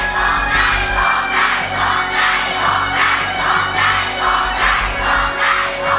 ขอให้ขอให้ขอให้ขอให้ขอให้